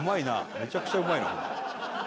めちゃくちゃうまいな。